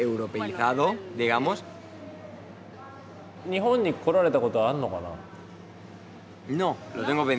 日本に来られたことはあるのかな？